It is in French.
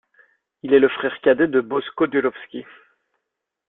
Il est le frère cadet de Boško Đurovski.